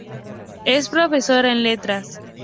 Es profesora en Letras.